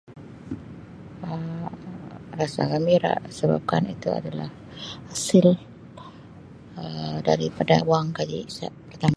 Um Rasa gembira sebab kan itu adalah hasil Um daripada wang [unintelligible]